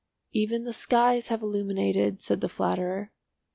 "Even the skies have illuminated," said the flatterer.